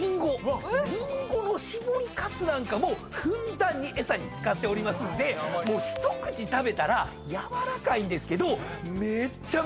リンゴの搾りカスなんかもふんだんに餌に使っておりますんで一口食べたらやわらかいんですけどめっちゃめちゃ